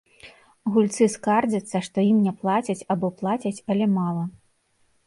Гульцы скардзяцца, што ім не плацяць або плацяць, але мала.